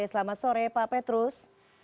selamat sore pak petrus